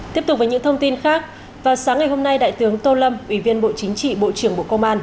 tiếp tục với những thông tin khác vào sáng ngày hôm nay đại tướng tô lâm ủy viên bộ chính trị bộ trưởng bộ công an